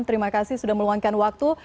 terima kasih sudah meluangkan waktu